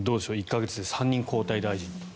１か月で３人交代、大臣と。